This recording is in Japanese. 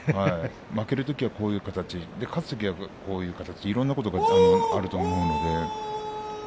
負けるときはこういう形勝つときはこういう形いろいろなことがあると思うので。